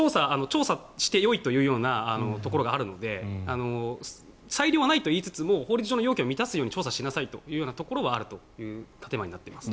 調査してよいというなところがあるので裁量はないといいつつも要件を満たすように調査しなさいという建前だと思います。